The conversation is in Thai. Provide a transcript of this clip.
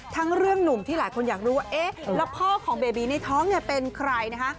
ทั้งเรื่องหนุ่มที่หลายคนอยากรู้ว่าเอ๊ะแล้วพ่อของเบบีในท้องเนี่ยเป็นใครนะคะ